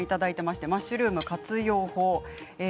マッシュルーム活用法。